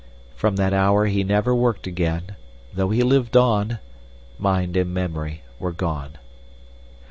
From that hour he never worked again; though he lived on, mind and memory were gone.